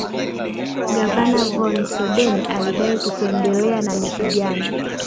Gavana Von Soden alidai kutoendelea na mapigano